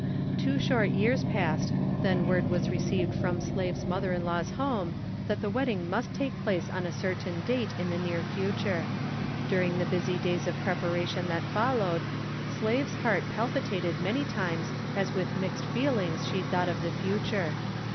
Two short years passed then word was received from Slave's mother in law's home that the wedding must take place on a certain date in the near future. During the busy days of preparation that followed, Slave's heart palpitated many times as with mixed feelings she thought of the future.